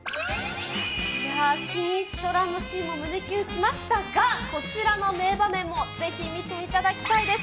いやぁ、新一と蘭のシーンも胸キュンしましたが、こちらの名場面もぜひ見ていただきたいです。